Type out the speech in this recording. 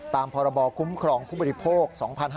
ตามพรบคุ้มครองผู้บริโภค๒๕๕๙